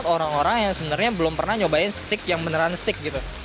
orang orang yang sebenarnya belum pernah nyobain stick yang beneran stick gitu